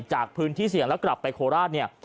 จากพื้นที่เสี่ยงแล้วกลับไปโคราชเนี่ย